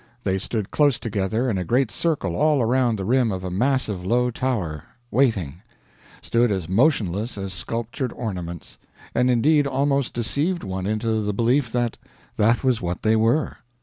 They stood close together in a great circle all around the rim of a massive low tower waiting; stood as motionless as sculptured ornaments, and indeed almost deceived one into the belief that that was what they were.